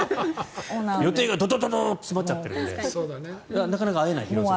予定がドドドーっと詰まっちゃっているのでなかなか会えない、廣津留さん。